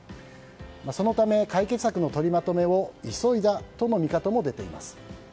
そのため、解決策の取りまとめを急いだとの見方も出ています。